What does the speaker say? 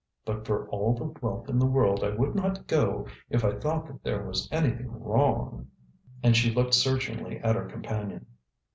But for all the wealth in the world I would not go if I thought that there was anything wrong," and she looked searchingly at her companion.